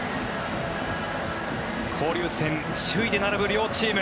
交流戦首位で並ぶ両チーム。